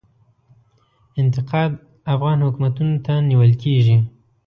انتقاد افغان حکومتونو ته نیول کیږي.